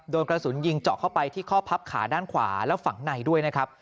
โดนกระสุนยิงเจาะเข้าไปที่ข้อพับขาด้านขวาและฝั่งในด้วยนะครับ